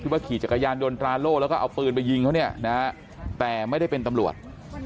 ว่าขี่จักรยานยนตราโล่แล้วก็เอาปืนไปยิงเขาเนี่ยนะฮะแต่ไม่ได้เป็นตำรวจ